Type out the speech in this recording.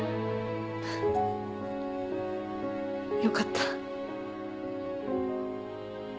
よかった。